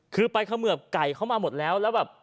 คือไปเขมือบไก่เข้ามาหมดแล้วแล้วแบบ